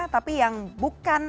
tapi yang bukan